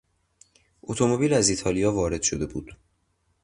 اتومبیل از ایتالیا وارد شده بود.